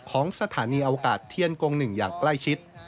ของสถานีอวกาศเทียนกง๑อย่างใกล้ชิด